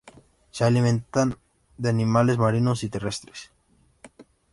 Se alimentaban de animales marinos y terrestres.